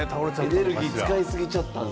エネルギーを使いすぎちゃった。